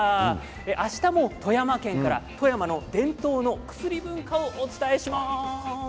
あしたも富山県から富山の伝統の薬文化をお伝えします。